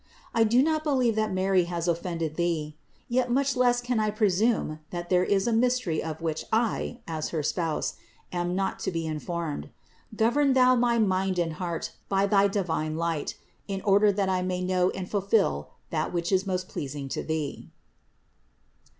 I do not believe that Mary has offended Thee; yet much less can I pre sume that there is a mystery of which I, as her Spouse, am not to be informed. Govern Thou my mind and heart by thy divine light, in order that I may know and fulfill that which is most pleasing to Thee."